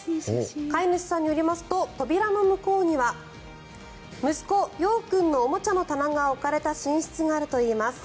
飼い主さんによりますと扉の向こうには息子・陽君のおもちゃの棚が置かれた寝室があるといいます。